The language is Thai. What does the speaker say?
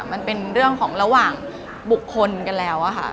มันเป็นเรื่องของระหว่างบุคคลกันแล้วค่ะ